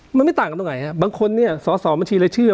มันไม่ต่างกันตรงไหนครับบางคนเนี่ยสอสอบัญชีรายชื่อ